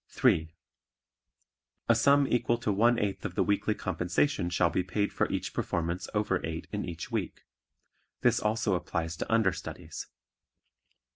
(3) A sum equal to one eighth of the weekly compensation shall be paid for each performance over eight in each week. (This also applies to understudies.)